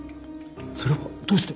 それはどうして？